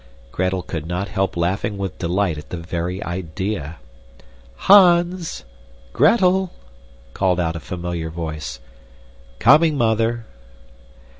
Gretel could not help laughing with delight at the very idea. "Hans! Gretel!" called out a familiar voice. "Coming, Mother!"